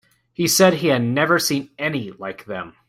He said he had never seen any like them.